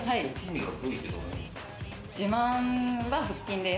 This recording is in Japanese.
自慢は腹筋です。